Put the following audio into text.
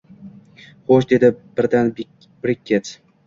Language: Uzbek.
Xo`sh, dedi birdan Brekket